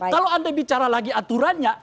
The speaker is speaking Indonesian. kalau anda bicara lagi aturannya